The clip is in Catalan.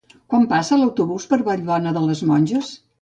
Quan passa l'autobús per Vallbona de les Monges?